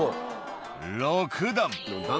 「６段」